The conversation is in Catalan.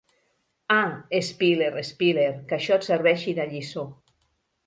Ah, Spiller, Spiller, que això et serveixi de lliçó.